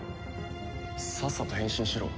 さっさと変身しろ。